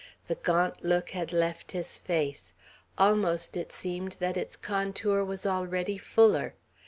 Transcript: The gaunt look had left his face. Almost it seemed that its contour was already fuller.